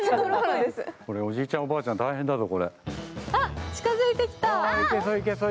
これ、おじいちゃん、おばあちゃん、大変だぞ。